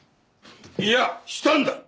いやしたんだ。